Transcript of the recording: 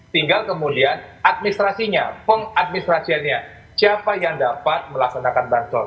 tinggal kemudian administrasinya pengadministrasiannya siapa yang dapat melaksanakan bansol